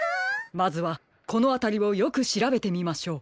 まずはこのあたりをよくしらべてみましょう。